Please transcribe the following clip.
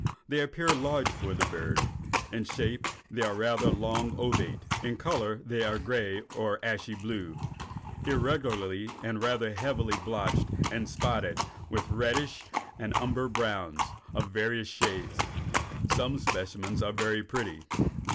They appear large for the bird. In shape they are usually rather long ovate, and in color are gray or ashy blue, irregularly and rather heavily blotched and spotted with reddish and umber browns of various shades. Some specimens are very pretty.